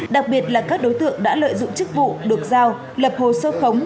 đặc biệt là các đối tượng đã lợi dụng chức vụ được giao lập hồ sơ khống